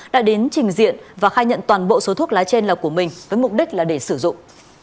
đã đến trình diện và khai nhận toàn bộ số thuốc lá trên là của mình với mục đích là để sử dụng